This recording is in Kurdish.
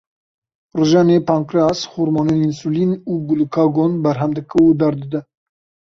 Rijenê pankreas, hormonên însulîn û glukagon berhem dike û der dide.